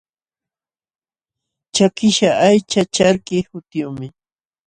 Chakiśhqa aycha charki hutiyuqmi.